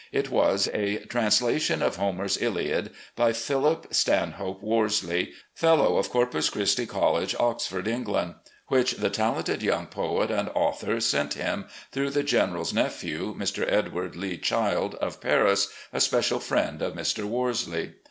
It was a "Translation of Homer's Iliad by Philip Stan hope Worsley, Fellow of Corpus Christi College, Oxford, England," which the talented yotmg poet and author sent him, through the General's nephew, Mr. Edward Lee Childe, of Paris, a special friend of Mr. Worsley.